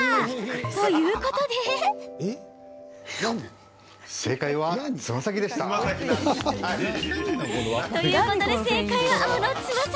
ということで。ということで正解は、青のつま先。